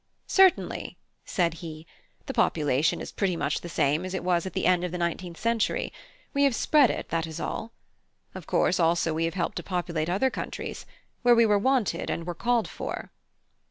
"Certainly," said he; "the population is pretty much the same as it was at the end of the nineteenth century; we have spread it, that is all. Of course, also, we have helped to populate other countries where we were wanted and were called for."